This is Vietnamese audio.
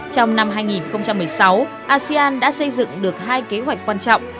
trong năm hai nghìn một mươi sáu asean đã xây dựng được hai kế hoạch quan trọng